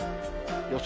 予想